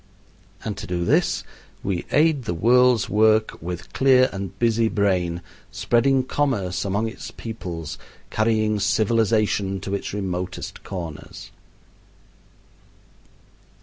And to do this we aid the world's work with clear and busy brain, spreading commerce among its peoples, carrying civilization to its remotest corners.